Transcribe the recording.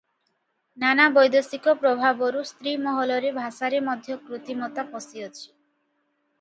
ନାନା ବୈଦେଶିକ ପ୍ରଭାବରୁ ସ୍ତ୍ରୀମହଲରେ ଭାଷାରେ ମଧ୍ୟ କୃତ୍ରିମତା ପଶିଅଛି ।